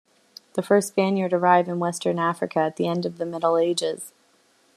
The first Spaniard arrived in western Africa at the end of the Middle Ages.